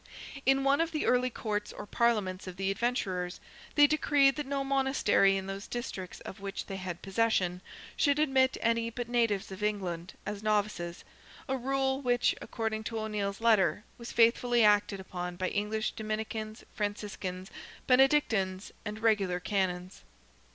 In one of the early Courts or Parliaments of the Adventurers, they decreed that no Monastery in those districts of which they had possession, should admit any but natives of England, as novices,—a rule which, according to O'Neil's letter, was faithfully acted upon by English Dominicans, Franciscans, Benedictines, and regular canons.